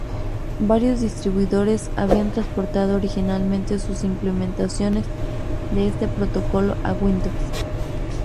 Varios distribuidores habían transportado originalmente sus implementaciones de este protocolo a Windows.